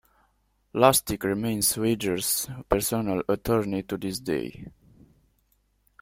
Lustick remains Wegers's personal attorney to this day.